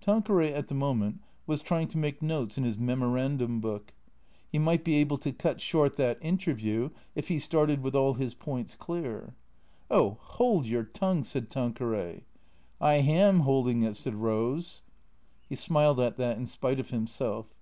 Tanqueray at the moment was trying to make notes in his memorandum book. He might be able to cut short that inter view if he started with all his points clear. " Oh — liold your tongue," said Tanqueray. " I am 'oldin' it," said Eose. He smiled at that in spite of himself.